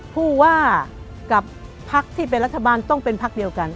ผู้ว่ากับพักที่เป็นรัฐบาลต้องเป็นพักเดียวกัน